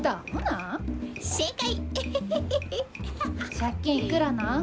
借金いくらなん？